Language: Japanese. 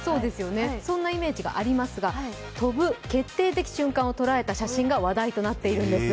そんなイメージがありますが、飛ぶ決定的瞬間を捉えた写真が話題となっているんです。